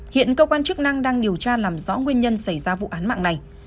hiện cơ quan chức năng đang điều tra làm rõ nguyên nhân xảy ra vụ án mạng này